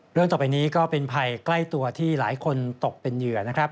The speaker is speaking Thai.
ต่อไปนี้ก็เป็นภัยใกล้ตัวที่หลายคนตกเป็นเหยื่อนะครับ